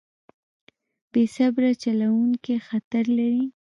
بې صبره چلوونکی خطر لري.